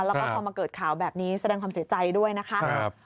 แล้วก็พอมาเกิดข่าวแบบนี้แสดงความเสียใจด้วยนะคะ